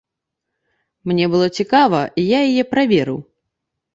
Мне было цікава, і я яе праверыў.